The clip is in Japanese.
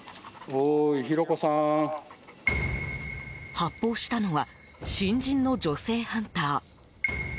発砲したのは新人の女性ハンター。